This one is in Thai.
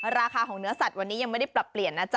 ราคาของเนื้อสัตว์วันนี้ยังไม่ได้ปรับเปลี่ยนนะจ๊